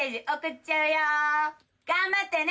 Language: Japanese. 頑張ってね！